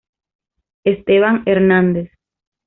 Esteban Hernandez.